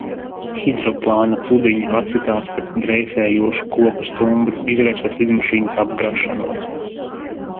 Hidroplāna pludiņi atsitās pret dreifējošu koka stumbru, izraisot lidmašīnas apgāšanos.